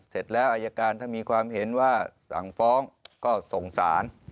เสร็จแล้วอายการถ้ามีความเห็นว่าสั่งฟ้องก็ส่งสาร